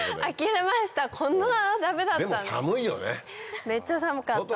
めっちゃ寒かった。